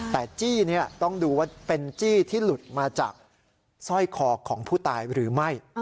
แต่จี้ต้องดูว่าเป็นจี้ที่หลุดมาจากสร้อยคอของผู้ตายหรือไม่